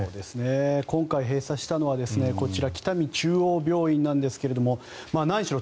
今回閉鎖したのは北見中央病院なんですが何しろ